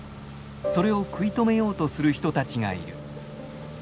それを食い止めようとする人たちがいる。